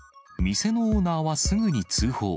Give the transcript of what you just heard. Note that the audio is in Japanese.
店のオーナーはすぐに通報。